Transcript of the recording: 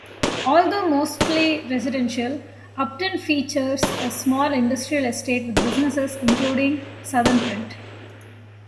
Although mostly residential, Upton features a small industrial estate with businesses including Southernprint.